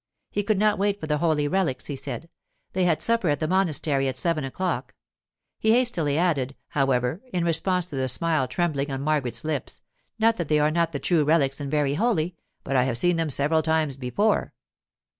He could not wait for the holy relics, he said; they had supper at the monastery at seven o'clock. He hastily added, however, in response to the smile trembling on Margaret's lips, 'Not that they are not the true relics and very holy, but I have seen them several times before.